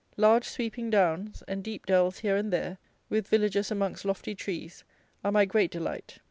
Large sweeping downs, and deep dells here and there, with villages amongst lofty trees, are my great delight.